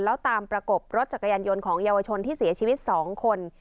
แล้วตามประกบรถจักรยานยนต์ของเยาวชนที่เสียชีวิต๒คน